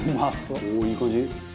おおいい感じ！